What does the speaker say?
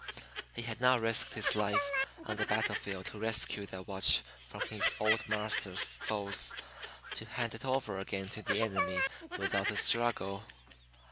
He had not risked his life on the battle field to rescue that watch from his "old marster's" foes to hand it over again to the enemy without a struggle.